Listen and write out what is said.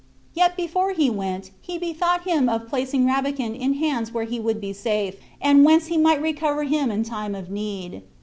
Yet before he went he bethought him of placing Rabican in hands where he would be safe, and whence he might recover him in time of need.